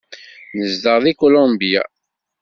Nezdeɣ deg Kulumbya.